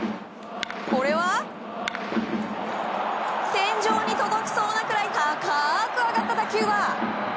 天井に届きそうなくらい高く上がった打球は。